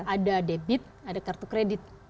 ada debit ada kartu kredit